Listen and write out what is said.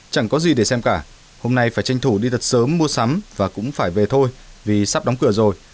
chẳng có gì để xem cả hôm nay phải tranh thủ đi thật sớm mua sắm và cũng phải về thôi vì sắp đóng cửa rồi